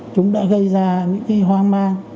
chúng đã gây ra những hoang mang